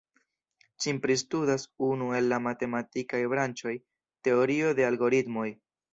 Ĝin pristudas unu el la matematikaj branĉoj: Teorio de Algoritmoj.